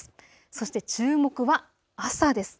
そして注目は朝です。